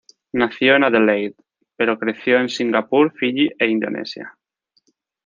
Nació en Adelaide, pero creció en Singapur, Fiyi e Indonesia.